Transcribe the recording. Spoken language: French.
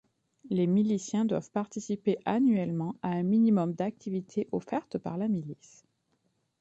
Les miliciens doivent participer annuellement à un minimum d'activités offertes par la milice.